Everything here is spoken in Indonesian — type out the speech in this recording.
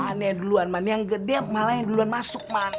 aneh duluan mana yang gede malah yang duluan masuk mana